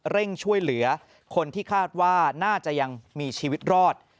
เร่งช่วยเหลือคนที่คาดว่าน่าจะยังมีชีวิตรอด